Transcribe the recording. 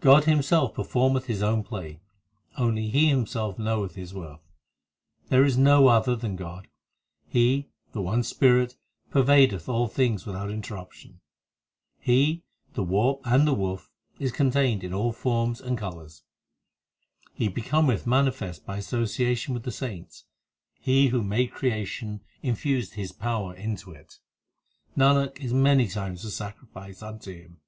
God Himself performeth His own play ; Only He Himself knoweth His worth. There is no other than God ; He, the one Spirit, pervadeth all things without inter ruption ; 254 THE SIKH RELIGION He, the warp and the woof, is contained in all forms and colours ; He becometh manifest by association with the saints ; He who made creation infused His power into it Nanak is many times a sacrifice unto Him.